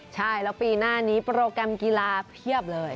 ใช่แล้วปีหน้านี้โปรแกรมกีฬาเพียบเลย